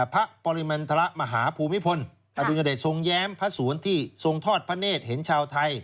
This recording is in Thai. ปริมณฑระมหาภูมิพลอดุญเดชทรงแย้มพระสวนที่ทรงทอดพระเนธเห็นชาวไทย